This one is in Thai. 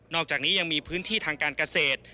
อกจากนี้ยังมีพื้นที่ทางการเกษตร